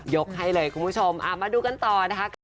ให้เลยคุณผู้ชมมาดูกันต่อนะคะ